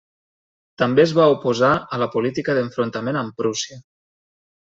També es va oposar a la política d'enfrontament amb Prússia.